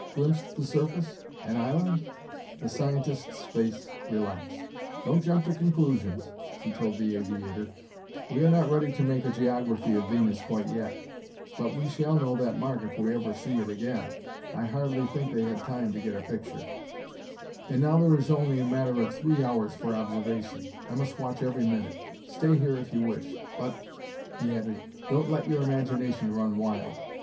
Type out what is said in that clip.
"Glimpsed the surface? an island?" The scientist's face relaxed. "Don't jump to conclusions," he told the aviator: "we are not ready to make a geography of Venus quite yet. But we shall know that mark if we ever see it again. I hardly think they had time to get a picture. "And now there is only a matter of three hours for observation: I must watch every minute. Stay here if you wish. But," he added, "don't let your imagination run wild.